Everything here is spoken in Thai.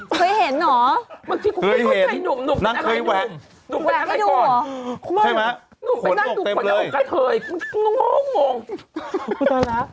กูตาลัก